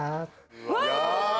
うわ！